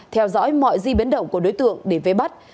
theo dõi mọi di biến động của đối tượng để vế bắt